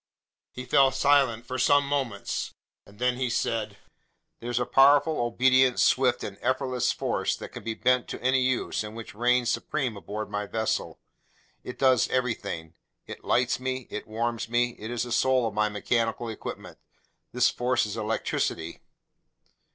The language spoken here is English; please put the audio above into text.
He fell silent for some moments, then he said: "There's a powerful, obedient, swift, and effortless force that can be bent to any use and which reigns supreme aboard my vessel. It does everything. It lights me, it warms me, it's the soul of my mechanical equipment. This force is electricity."